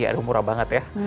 aduh murah banget ya